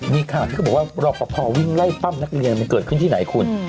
นี่ค้าที่เค้าบอกว่าเราก่อนพอวิ่งไล่ปั้มนักเรียนเขามันเกิดขึ้นที่ไหนคุณ